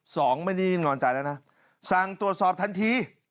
สองไม่ได้นิ่งนอนใจนะสั่งตรวจสอบทันที